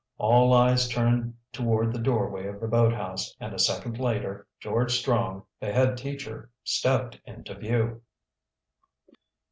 All eyes turned toward the doorway of the boathouse and a second later George Strong, the head teacher, stepped into view.